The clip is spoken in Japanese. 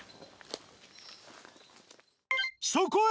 そこへ！